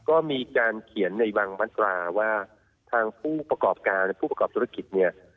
ก็มีการเขียนในบางมัตราว่าทางผู้ประกอบการผู้ประกอบธุรกิจเนี่ย